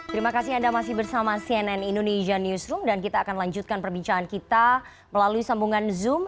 terima kasih anda masih bersama cnn indonesia newsroom dan kita akan lanjutkan perbincangan kita melalui sambungan zoom